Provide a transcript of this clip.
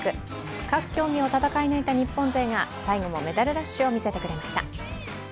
各競技を戦い抜いた日本勢が最後もメダルラッシュを見せてくれました。